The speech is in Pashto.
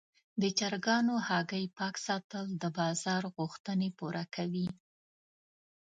د چرګانو هګۍ پاک ساتل د بازار غوښتنې پوره کوي.